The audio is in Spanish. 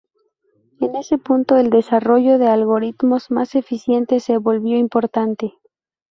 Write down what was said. En ese punto el desarrollo de algoritmos más eficientes se volvió importante.